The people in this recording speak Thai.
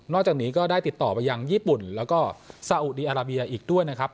จากนี้ก็ได้ติดต่อไปยังญี่ปุ่นแล้วก็ซาอุดีอาราเบียอีกด้วยนะครับ